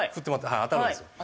はい当たるんですよ。